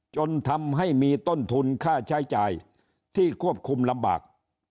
จนทำให้มีต้นทุนค่าใช้จ่ายที่ควบคุมลำบาก